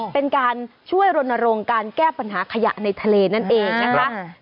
เป็นการช่วยรณรงค์การแก้ปัญหาขยะในทะเลนั่นเองนะคะ